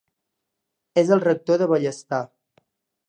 És el rector de Bellestar.